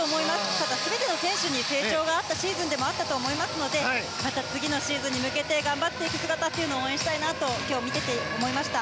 ただ、全ての選手に成長があったシーズンでもあったと思いますのでまた次のシーズンに向けて頑張っていく姿を応援したいなと今日見てて、思いました。